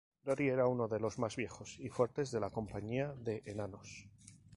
Dori era uno de los más viejos y fuertes de la compañía de enanos.